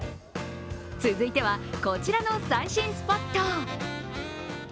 続いては、こちらの最新スポット。